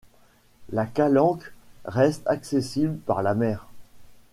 La calanque reste accessible par la mer.